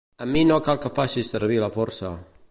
Amb mi no cal que facis servir la força.